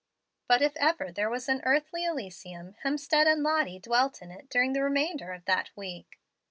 But if ever there was an earthly elysium, Hemstead and Lottie dwelt in it during the remainder of that week.